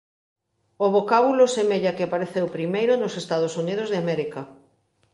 O vocábulo semella que apareceu primeiro nos Estados Unidos de América.